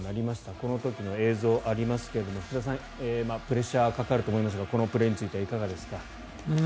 この時の映像、ありますが福田さん、プレッシャーがかかると思いますがこのプレーについてはいかがですか。